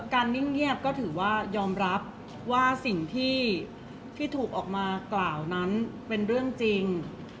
นิ่งเงียบก็ถือว่ายอมรับว่าสิ่งที่ถูกออกมากล่าวนั้นเป็นเรื่องจริง